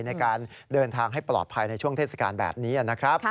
ในการเดินทางให้ปลอดภัยในช่วงเทศกาลแบบนี้นะครับ